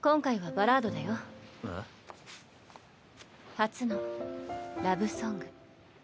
初のラブソング。